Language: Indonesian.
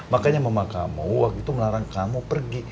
makanya mama kamu waktu itu melarang kamu pergi